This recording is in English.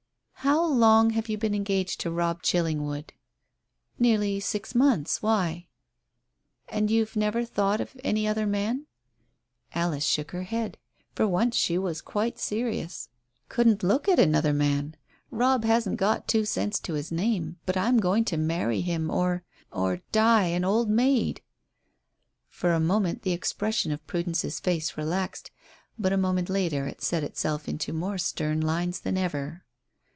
"How long have you been engaged to Robb Chillingwood?" "Nearly six months. Why?" "And you've never thought of any other man?" Alice shook her head. For once she was quite serious. "Couldn't look at another man. Robb hasn't got two cents to his name, but I'm going to marry him or or die an old maid." For a moment the expression of Prudence's face relaxed, but a moment later it set itself into more stern lines than ever.